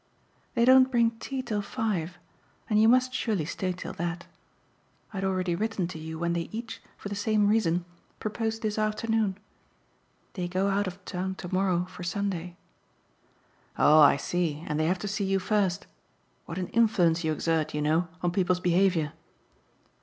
They don't bring tea till five, and you must surely stay till that. I had already written to you when they each, for the same reason, proposed this afternoon. They go out of town to morrow for Sunday." "Oh I see and they have to see you first. What an influence you exert, you know, on people's behaviour!"